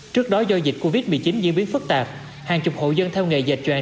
trước đó do dịch covid một mươi chín diễn biến phức tạp hàng chục hộ dân theo nghề dệt